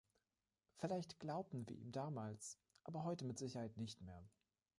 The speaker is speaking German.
Vielleicht glaubten wir ihm damals, aber heute mit Sicherheit nicht mehr.